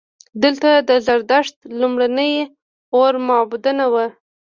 دلته د زردشت لومړني اور معبدونه وو